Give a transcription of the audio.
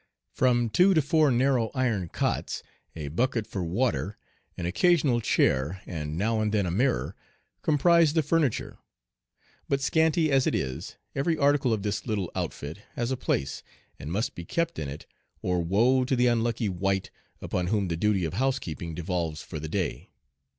From two to four narrow iron cots, a bucket for water, an occasional chair, and now and then a mirror, comprise the furniture. But scanty as it is, every article of this little outfit has a place, and must be kept in it, or woe to the unlucky wight upon whom the duty of housekeeping devolves for the day.